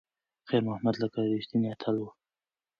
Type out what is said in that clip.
خیر محمد لکه یو ریښتینی اتل و.